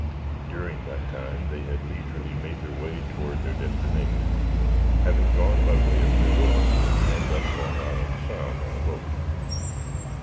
During that time they had leisurely made their way toward their destination, having gone by way of New York and up Long Island Sound on a boat.